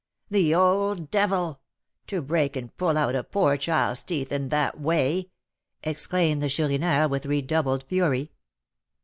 '" "The old devil! To break and pull out a poor child's teeth in that way!" exclaimed the Chourineur, with redoubled fury.